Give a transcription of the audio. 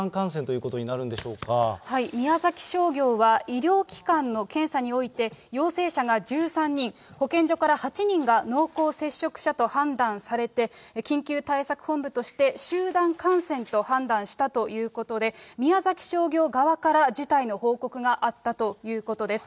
商業は医療機関の検査において、陽性者が１３人、保健所から８人が濃厚接触者と判断されて、緊急対策本部として、集団感染と判断したということで、宮崎商業側から辞退の報告があったということです。